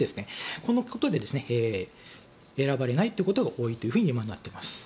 このことで選ばれないということが多いと今、なっています。